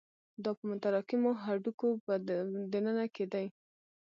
دا په متراکمو هډوکو په دننه کې دي.